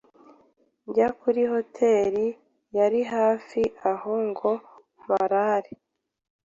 njya kuri hotel yari hafi aho ngo mparare